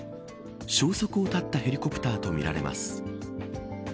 消息を絶ったヘリコプターとみられます。